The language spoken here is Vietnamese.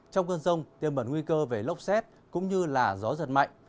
trong cơn rông tiêm bẩn nguy cơ về lốc xét cũng như gió giật mạnh